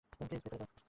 Please ভিতরে যাও।